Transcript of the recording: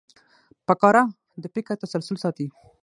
فقره د فکر تسلسل ساتي.